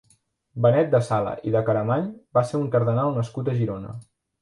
Benet de Sala i de Caramany va ser un cardenal nascut a Girona.